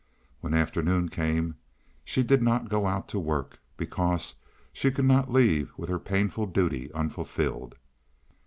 When afternoon came she did not go out to work, because she could not leave with her painful duty unfulfilled.